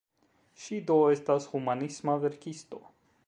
Ŝi do estas humanisma verkisto.